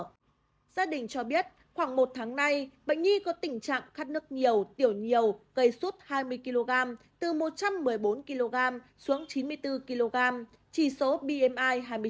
gia đình cho biết khoảng một tháng nay bệnh nhi có tình trạng khát nước nhiều tiểu nhiều cây suốt hai mươi kg từ một trăm một mươi bốn kg xuống chín mươi bốn kg chỉ số bmi hai mươi chín